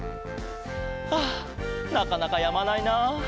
ああなかなかやまないな。